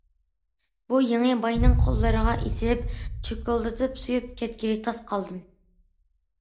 بۇ يېڭى باينىڭ قوللىرىغا ئېسىلىپ چوكۇلدىتىپ سۆيۈپ كەتكىلى تاس قالدىم.